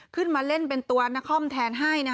ขึ้นมาเล่นเป็นตัวนครแทนให้